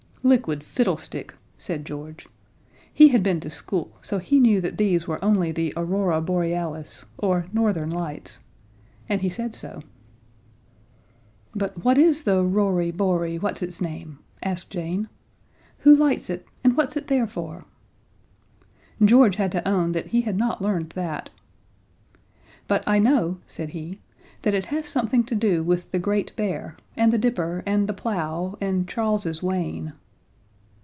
"Liquid fiddlestick!" said George. He had been to school, so he knew that these were only the Aurora Borealis, or Northern Lights. And he said so. "But what is the Rory Bory what's its name?" asked Jane. "Who lights it, and what's it there for?" George had to own that he had not learned that. "But I know," said he, "that it has something to do with the Great Bear, and the Dipper, and the Plough, and Charles's Wain."